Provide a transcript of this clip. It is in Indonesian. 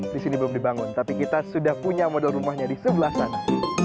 di sini belum dibangun tapi kita sudah punya model rumahnya di sebelah sana